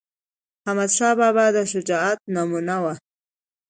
احمدشاه بابا د شجاعت نمونه وه..